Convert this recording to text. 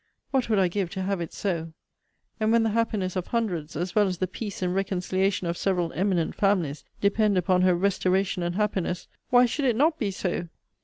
What would I give to have it so! And when the happiness of hundreds, as well as the peace and reconciliation of several eminent families, depend upon her restoration and happiness, why should it not be so?